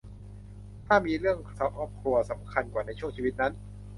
ถ้ามีเรื่องครอบครัวสำคัญกว่าในช่วงชีวิตนั้น